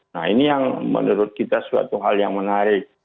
nah ini yang menurut kita suatu hal yang menarik